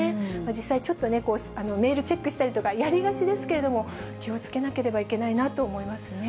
実際、ちょっとメールチェックしたりとかやりがちですけれども、気をつけなければいけないなと思いますね。